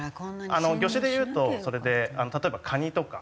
魚種で言うとそれで例えばカニとか。